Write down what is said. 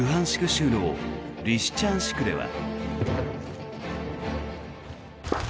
州のリシチャンシクでは。